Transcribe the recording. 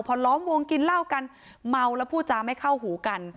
พอล้อมวงกินเหล้ากันเมาแล้วพูดจาไม่เข้าหูกัน